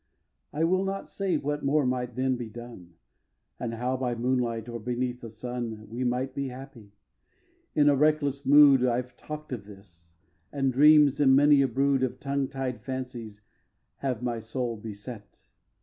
iv. I will not say what more might then be done, And how, by moonlight or beneath the sun, We might be happy. In a reckless mood I've talk'd of this; and dreams and many a brood Of tongue tied fancies have my soul beset.